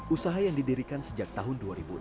usaha yang didirikan sejak tahun dua ribu enam